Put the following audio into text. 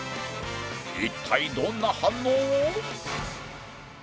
一体どんな反応を？